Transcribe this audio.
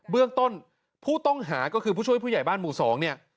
เบื้องต้นผู้ต้องหาก็คือผู้ช่วยผู้ใหญ่บ้านหมู่๒เนี่ย